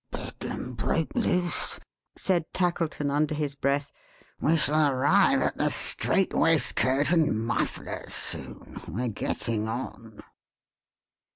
"Bedlam broke loose!" said Tackleton under his breath. "We shall arrive at the strait waistcoat and mufflers soon. We're getting on!"